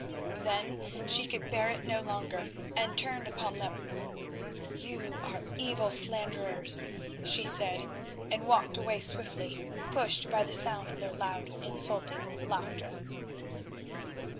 Then she could bear it no longer, and turned upon them. "You are evil slanderers," she said, and walked away swiftly, pursued by the sound of their loud, insulting laughter.